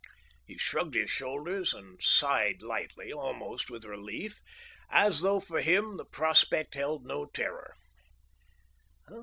He shrugged his shoulders and sighed lightly, almost with relief, as though for him the prospect held no terror.